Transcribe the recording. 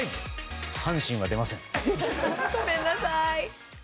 阪神は出ません。